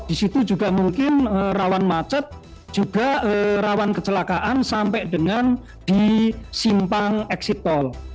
di situ juga mungkin rawan macet juga rawan kecelakaan sampai dengan di simpang exit tol